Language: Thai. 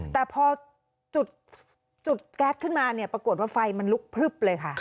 แต่พอจุดแก๊สขึ้นมาปรากฎว่าไฟมันลุกพึบเลย